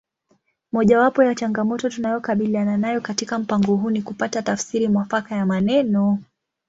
Mojawapo ya changamoto tunayokabiliana nayo katika mpango huu ni kupata tafsiri mwafaka ya maneno